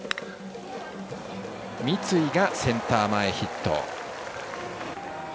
三井がセンター前ヒット。